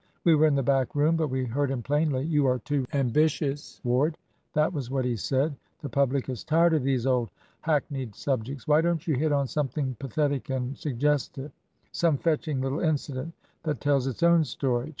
We were in the back room, but we heard him plainly. 'You are too ambitious, Ward' that was what he said; 'the public is tired of these old hackneyed subjects. Why don't you hit on something pathetic and suggestive some fetching little incident that tells its own story?'